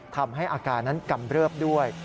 ทำให้อาการนั้นกำเริบด้วย